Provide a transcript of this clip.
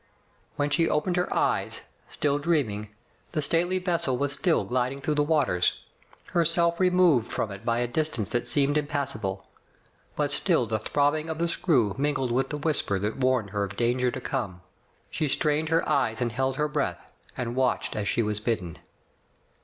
When she opened her eyes, still dreaming, the stately vessel was still gliding through the waters, herself removed from it by a distance that seemed impassable. But still the throbbing of the screw mingled with the whisper that warned her of danger to come. She strained her eyes and held her breath, and watched as she was bidden.